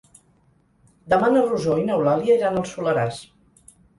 Demà na Rosó i n'Eulàlia iran al Soleràs.